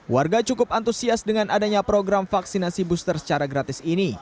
warga cukup antusias dengan adanya program vaksinasi booster secara gratis ini